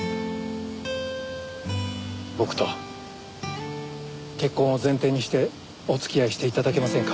僕と結婚を前提にしてお付き合いして頂けませんか？